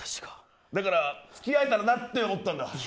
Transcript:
だから付き合えたらなって思ったんだ。